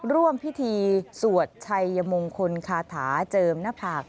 ร่วมพิธีสวดชัยมงคลคาถาเจิมหน้าผาก